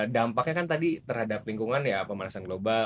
dampaknya kan tadi terhadap lingkungan ya pemanasan global